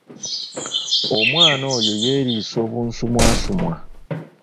Omwana oyo yeriisa obunsumwansumwa!